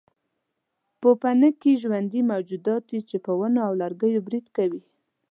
پوپنکي ژوندي موجودات دي چې پر ونو او لرګیو برید کوي.